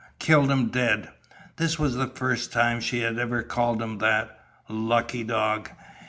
Killed him dead. This was the first time she had ever called him that. Lucky dog?